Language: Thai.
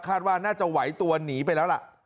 ว่าน่าจะไหวตัวหนีไปแล้วล่ะ